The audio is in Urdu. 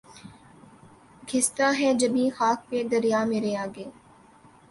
گھستا ہے جبیں خاک پہ دریا مرے آگے